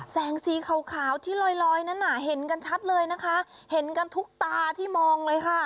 แสงสีขาวที่ลอยลอยนั้นน่ะเห็นกันชัดเลยนะคะเห็นกันทุกตาที่มองเลยค่ะ